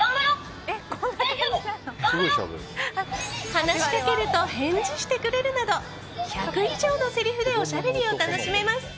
話しかけると返事してくれるなど１００以上のせりふでおしゃべりを楽しめます。